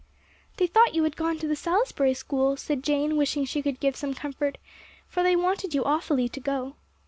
"They thought you had gone to the Salisbury School," said Jane, wishing she could give some comfort, "for they wanted you awfully to go."